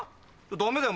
ダメだよ